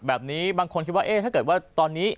แบบนี้บางคนคิดว่าเอ๊ะถ้าเกิดว่าตอนนี้